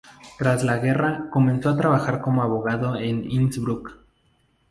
Tras la guerra comenzó a trabajar como abogado en Innsbruck.